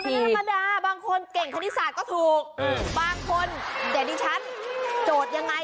ลักษณะธรรมดาบางคนเก่งคณิตศาสตร์ก็ถูกอืมบางคนเดี๋ยวนี้ฉันโจทย์ยังไง